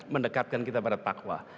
mendekatkan kita pada pakwa